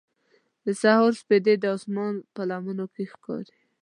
د سهار سپېدې د اسمان په لمنو کې ښکاري.